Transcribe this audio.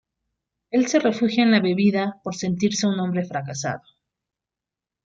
Él se refugia en la bebida, por sentirse un hombre fracasado.